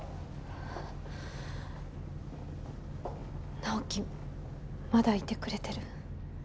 直木まだいてくれてる？